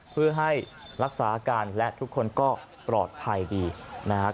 เพื่อให้รักษาอาการและทุกคนก็ปลอดภัยดีนะครับ